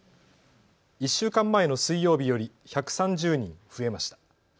１週間前の水曜日より１３０人増えました。